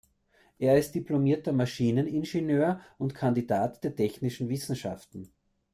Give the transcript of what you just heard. Er ist diplomierter Maschineningenieur und Kandidat der technischen Wissenschaften.